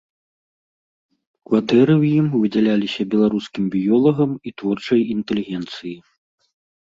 Кватэры ў ім выдзяліся беларускім біёлагам і творчай інтэлігенцыі.